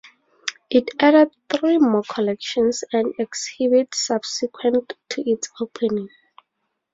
It added three more collections and exhibits subsequent to its opening.